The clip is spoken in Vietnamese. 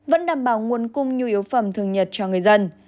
vẫn đảm bảo nguồn cung nhu yếu phẩm thường nhật cho người dân